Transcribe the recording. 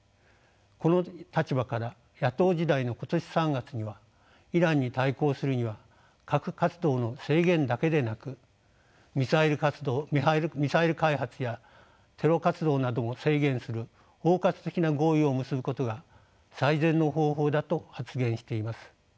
この立場から野党時代の今年３月にはイランに対抗するには核活動の制限だけでなくミサイル開発やテロ活動などを制限する包括的な合意を結ぶことが最善の方法だと発言しています。